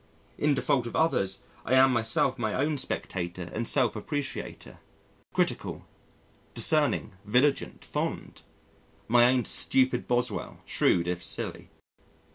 In default of others, I am myself my own spectator and self appreciator critical, discerning, vigilant, fond! my own stupid Boswell, shrewd if silly.